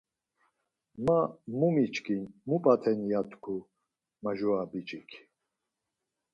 Ma mu miçkin mu p̌aten ya tku majura biç̌ik.